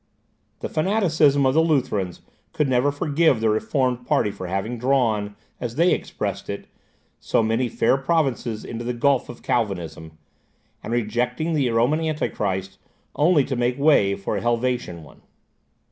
The fanaticism of the Lutherans could never forgive the reformed party for having drawn, as they expressed it, so many fair provinces into the gulf of Calvinism, and rejecting the Roman Antichrist only to make way for an Helvetian one.